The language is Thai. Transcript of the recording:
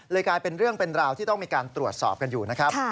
กลายเป็นเรื่องเป็นราวที่ต้องมีการตรวจสอบกันอยู่นะครับ